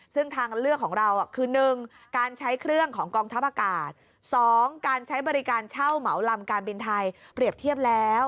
ซึ่งทางเลือกของเรา